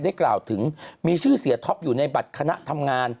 กล่าวถึงมีชื่อเสียท็อปอยู่ในบัตรคณะทำงาน